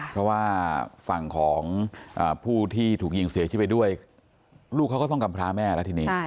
เพราะว่าฝั่งของผู้ที่ถูกยิงเสียชีวิตไปด้วยลูกเขาก็ต้องกำพร้าแม่แล้วทีนี้